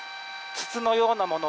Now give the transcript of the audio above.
筒のようなもの